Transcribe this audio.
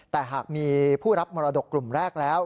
แต่หากมีผู้รับมรดกกลุ่มแรกแล้ว